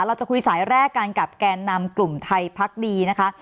เราจะคุยสายแรกกันกับแกนนำกลุ่มไทยพักดีนะคะ